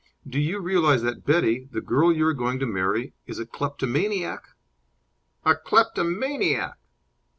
Do you realize that Betty, the girl you are going to marry, is a kleptomaniac?" "A kleptomaniac!"